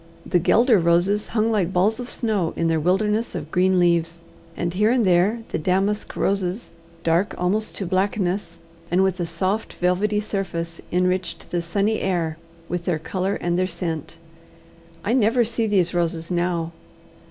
The guelder roses hung like balls of snow in their wilderness of green leaves; and here and there the damask roses, dark almost to blackness, and with a soft velvety surface, enriched the sunny air with their colour and their scent. I never see these roses now.